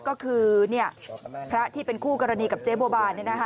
ก็คือพระที่เป็นคู่กรณีกับเจ๊บัวบาน